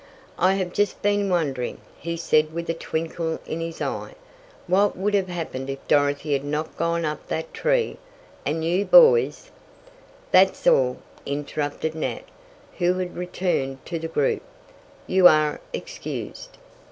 "I have just been wondering," he said with a twinkle in his eye, "what would have happened if Dorothy had not gone up that tree. And you boys " "That's all," interrupted Nat, who had returned to the group. "You are excused."